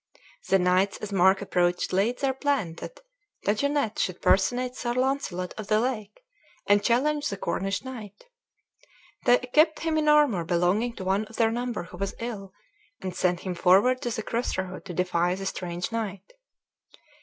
The knights as Mark approached laid their plan that Daguenet should personate Sir Launcelot of the Lake, and challenge the Cornish knight. They equipped him in armor belonging to one of their number who was ill, and sent him forward to the cross road to defy the strange knight.